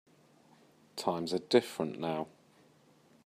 Times are different now.